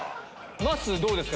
まっすーどうですか？